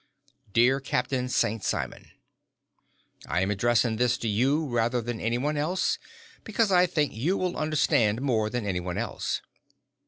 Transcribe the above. Dear Captain St. Simon: I am addressing this to you rather than anyone else because I think you will understand more than anyone else.